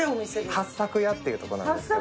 はっさく屋っていうとこなんですけど。